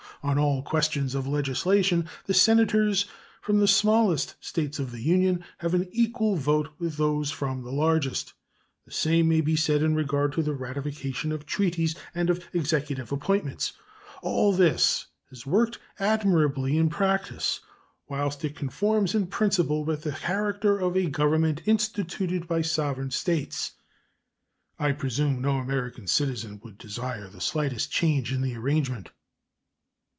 On all questions of legislation the Senators from the smallest States of the Union have an equal vote with those from the largest. The same may be said in regard to the ratification of treaties and of Executive appointments. All this has worked admirably in practice, whilst it conforms in principle with the character of a Government instituted by sovereign States. I presume no American citizen would desire the slightest change in the arrangement.